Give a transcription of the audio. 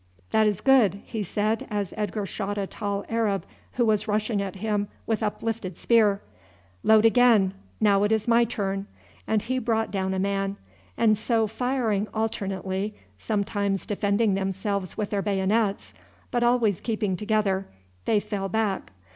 That is good!" he said as Edgar shot a tall Arab who was rushing at him with uplifted spear; "load again. Now it is my turn," and he brought down a man; and so firing alternately, sometimes defending themselves with their bayonets, but always keeping together, they fell back.